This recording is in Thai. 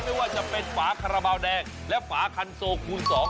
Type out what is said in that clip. ไม่ว่าจะเป็นฝาคาราบาลแดงและฝาคันโซคูณสอง